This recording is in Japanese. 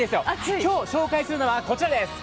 今日紹介するのはこちらです。